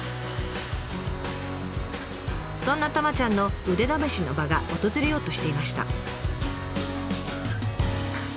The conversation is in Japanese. そんなたまちゃんの腕試しの場が訪れようとしていました。